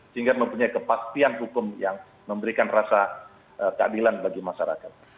sehingga mempunyai kepastian hukum yang memberikan rasa keadilan bagi masyarakat